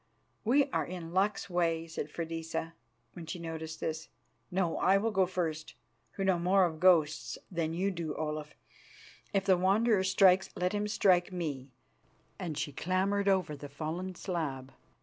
"We are in luck's way," said Freydisa, when she noticed this. "No, I will go first, who know more of ghosts than you do, Olaf. If the Wanderer strikes, let him strike me," and she clambered over the fallen slab.